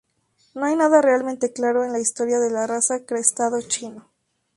No hay nada realmente claro en la historia de la raza Crestado Chino.